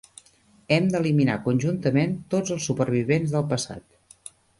Hem d'eliminar conjuntament tots els supervivents del passat.